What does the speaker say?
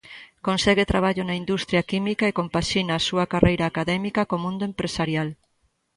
Consegue traballo na industria química e compaxina a súa carreira académica co mundo empresarial.